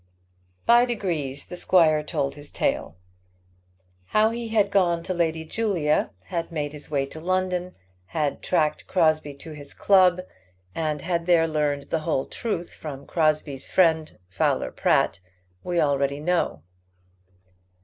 By degrees the squire told his tale. How he had gone to Lady Julia, had made his way to London, had tracked Crosbie to his club, and had there learned the whole truth from Crosbie's friend, Fowler Pratt, we already know.